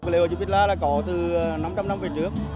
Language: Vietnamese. lễ hội trịnh bích la là có từ năm trăm linh năm về trước